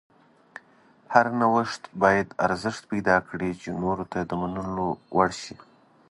هر نوښت باید ارزښت پیدا کړي چې نورو ته د منلو وړ شي.